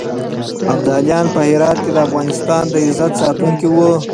ابدالیان په هرات کې د افغانستان د عزت ساتونکي وو.